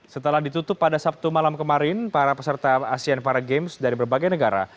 setelah ditutup pada sabtu malam kemarin para peserta asean para games dari berbagai negara